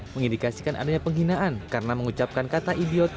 mengindikasikan adanya penghinaan karena mengucapkan kata idiot